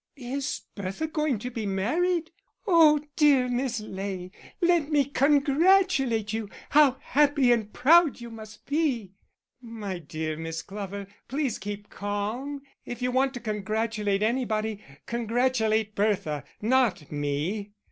"Is Bertha going to be married? Oh, dear Miss Ley, let me congratulate you. How happy and proud you must be!" "My dear Miss Glover, please keep calm. And if you want to congratulate anybody, congratulate Bertha not me."